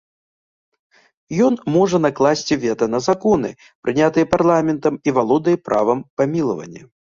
Ён можа накласці вета на законы, прынятыя парламентам і валодае правам памілавання.